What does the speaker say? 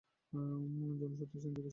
জন সত্যিই চিন্তিত ছিল।